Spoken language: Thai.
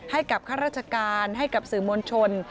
ให้กับข้าราชการให้กับสื่อมนชน